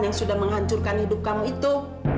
yang sudah menghancurkan hidup kamu itu